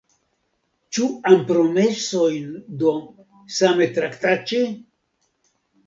Ĉu ampromesojn do same traktaĉi?